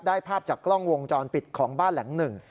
ภาพจากกล้องวงจรปิดของบ้านหลังหนึ่ง